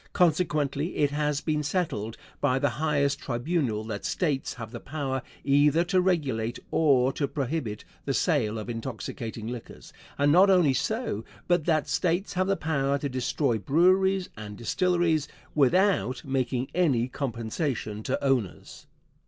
Consequently, it has been settled by the highest tribunal that States have the power either to regulate or to prohibit the sale of intoxicating liquors, and not only so, but that States have the power to destroy breweries and distilleries without making any compensation to owners.